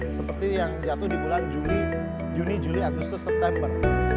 seperti yang jatuh di bulan juni juli agustus september